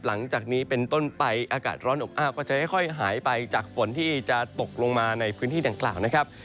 หลังจากนี้เป็นต้นไปอากาศร้อนอบอ้าวก็จะค่อยหายไปจากฝนที่จะตกลงมาในพื้นที่ดังกล่าวนะครับ